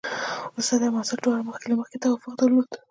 استاد او محصل دواړو مخکې له مخکې توافق درلود.